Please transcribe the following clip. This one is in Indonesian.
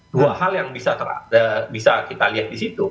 dua hal yang bisa kita lihat di situ